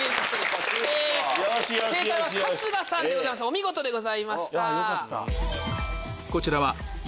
お見事でございました。